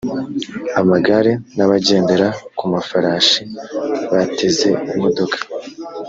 amagare n’abagendera ku mafarashi bateze imodoka